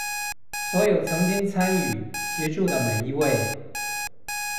所有曾經參與、協助的每一位